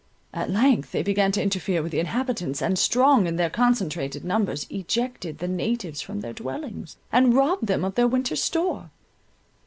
At length they began to interfere with the inhabitants, and strong in their concentrated numbers, ejected the natives from their dwellings, and robbed them of their winter store.